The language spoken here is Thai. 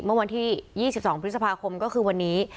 เมื่อวันที่๒๒พฤษภาคมก็คือวันนี้